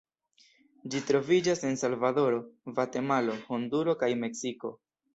Ĝi troviĝas en Salvadoro, Gvatemalo, Honduro kaj Meksiko.